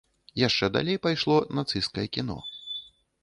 Яшчэ далей пайшло нацысцкае кіно.